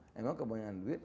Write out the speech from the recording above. emang kebanyakan duit